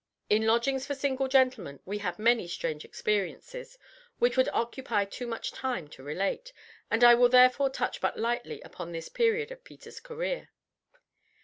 In lodgings for single gentlemen we had many strange experiences which would occupy too much time to relate, and I will therefore touch but lightly upon this period of Peter's career.